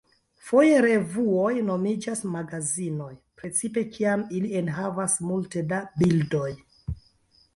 Foje revuoj nomiĝas "magazinoj", precipe kiam ili enhavas multe da bildoj.